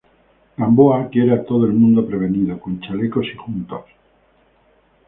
Gamboa, quiero a todo el mundo prevenido, con chalecos y juntos.